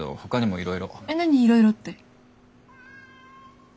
いろいろって。